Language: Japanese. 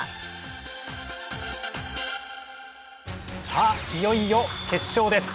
さあいよいよ決勝です。